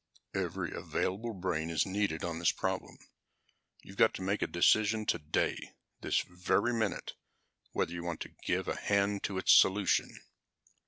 "Every available brain is needed on this problem. You've got to make a decision today, this very minute, whether you want to give a hand to its solution."